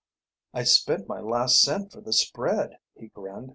"I spent my last cent for the spread," he grinned.